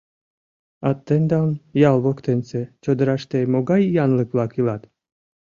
А тендан ял воктенсе чодыраште могай янлык-влак илат?